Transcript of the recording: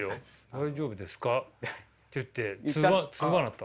「大丈夫ですか？」って言って通話なった。